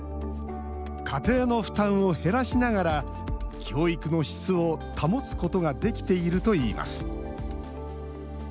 家庭の負担を減らしながら教育の質を保つことができているといいます。